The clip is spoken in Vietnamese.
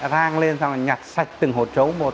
rang lên xong rồi nhặt sạch từng hộp chấu bột